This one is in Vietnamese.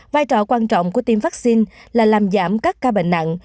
vai trò quan trọng của tiêm vaccine là làm giảm các ca bệnh nặng